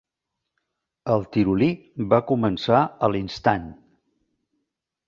El Tirolí va començar a l'instant.